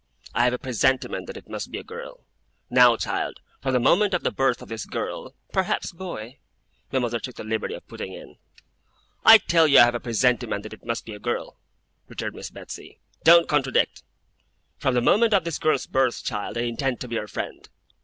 I have a presentiment that it must be a girl. Now child, from the moment of the birth of this girl ' 'Perhaps boy,' my mother took the liberty of putting in. 'I tell you I have a presentiment that it must be a girl,' returned Miss Betsey. 'Don't contradict. From the moment of this girl's birth, child, I intend to be her friend.